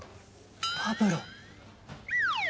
パブロ。